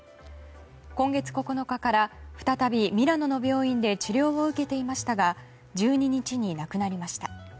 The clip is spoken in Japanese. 今月９日から再びミラノの病院で治療を受けていましたが１２日に亡くなりました。